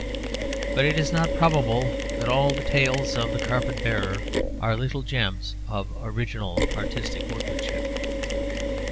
But it is not probable that all the tales of the carpet bearer are little gems of original artistic workmanship.